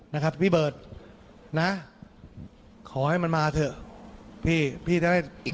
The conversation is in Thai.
นะครับพี่เบิร์ดนะด้วยขอให้มันมาเถอะพี่เดี๋ยวให้อีก